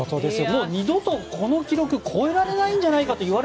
もう二度とこの記録を超えられないんじゃないかという